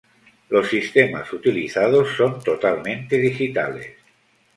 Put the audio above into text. Los sistemas utilizados son totalmente digitales.